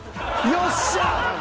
よっしゃ！